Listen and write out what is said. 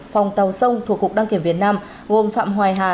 phòng tàu sông thuộc cục đăng kiểm việt nam gồm phạm hoài hà